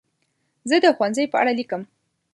زه د ښوونځي په اړه لیکم.